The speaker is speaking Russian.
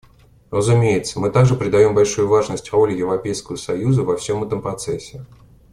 Разумеется, мы также придаем большую важность роли Европейского союза во всем этом процессе.